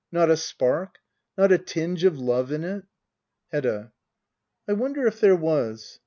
Not a spark — not a tinge of love in it? Hedda. I wonder if there was